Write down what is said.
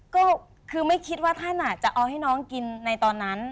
ก็คือไม่คิดว่าท่านจะเอาให้น้องกินในตอนนั้น